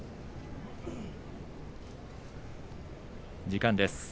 時間です。